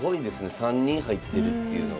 ３人入ってるっていうのが。